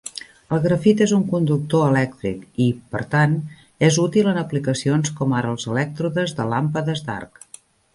El grafit és un conductor elèctric i, per tant, és útil en aplicacions com ara els elèctrodes de làmpades d'arc.